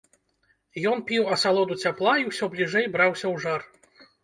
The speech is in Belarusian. Ён піў асалоду цяпла і ўсё бліжэй браўся ў жар.